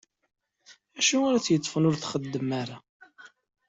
D acu ara t-yeṭṭfen ur tt-ixeddem ara?